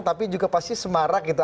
tapi juga pasti semarak gitu